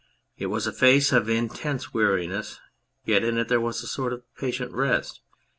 It was a face of intense weai'iness, yet in it there was a sort of patient rest.